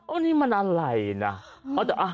โอ้นี่มันอะไรนะ